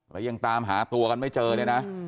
แล้วยังตามหาตัวกันไม่เจอเนี่ยนะ